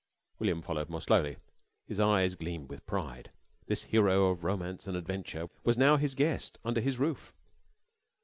William followed more slowly. His eye gleamed with pride. This hero of romance and adventure was now his guest, under his roof.